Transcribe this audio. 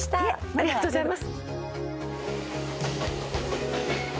ありがとうございます。